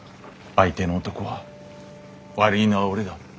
相手の男は「悪いのは俺だ。